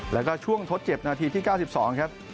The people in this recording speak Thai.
แล้วก็ช่วงทดเจ็บนาทีที่๙๒ครับ